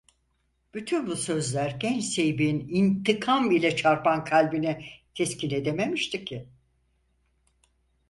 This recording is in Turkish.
Bütün bu sözler genç zeybeğin intikam ile çarpan kalbini teskin edememişti ki…